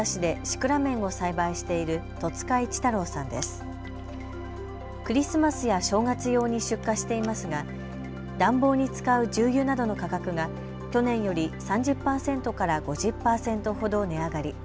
クリスマスや正月用に出荷していますが暖房に使う重油などの価格が去年より３０％から５０％ほど値上がり。